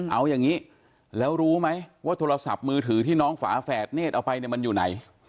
เอาอย่างนี้แล้วรู้ไหมว่าโทรศัพท์มือถือที่น้องฝาแฝดเนธเอาไปเนี่ยมันอยู่ไหน